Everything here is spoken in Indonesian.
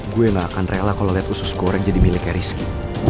gua gak akan rela kalo liat usus goreng jadi miliknya rizky